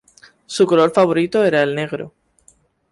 Su color favorito era el negro.